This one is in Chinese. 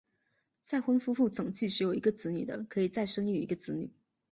再婚夫妇总计只有一个子女的可以再生育一个子女。